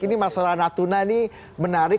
ini masalah natuna ini menarik